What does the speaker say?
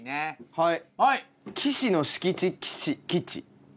はい。